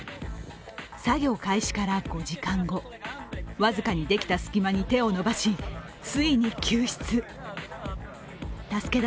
作業開始から５時間後僅かにできた隙間に手を伸ばしついに救出。